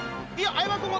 相葉君も。